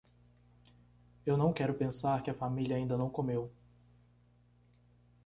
Eu não quero pensar que a família ainda não comeu.